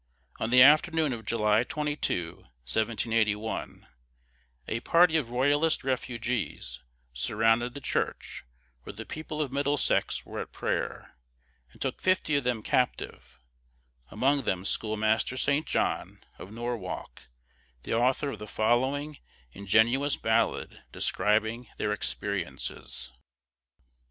On the afternoon of July 22, 1781, a party of Royalist refugees surrounded the church, where the people of Middlesex were at prayer, and took fifty of them captive, among them Schoolmaster St. John, of Norwalk, the author of the following ingenuous ballad describing their experiences.